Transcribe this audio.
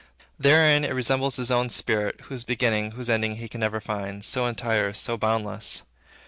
Therein it resembles his own spirit, whose beginning, whose ending, he never can find, so entire, so boundless.